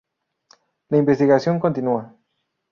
La investigación continúa.